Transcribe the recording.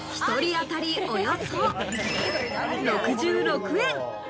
１人当たりおよそ６６円。